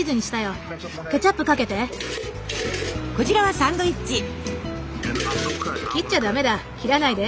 こちらはサンドイッチ！